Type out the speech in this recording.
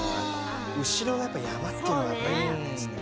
後ろがやっぱ山っていうのがいいですね。